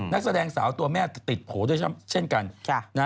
นักแสดงสาวตัวแม่ติดโผล่ด้วยเช่นกัน